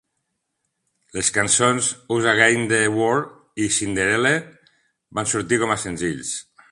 Les cançons "Us Against the World" i "Cinderella" van sortir com a senzills.